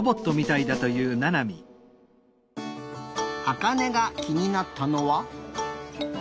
あかねがきになったのは。